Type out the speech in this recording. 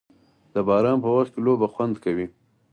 د باران په وخت کې لوبه خوند کوي.